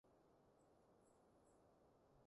白粥油炸鬼